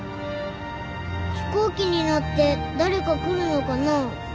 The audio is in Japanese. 飛行機に乗って誰か来るのかな？